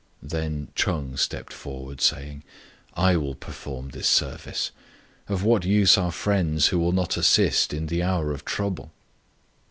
Then Ch'eng stepped forward, saying, " I will perform this service. Of what use are friends who will not assist in the hour of trouble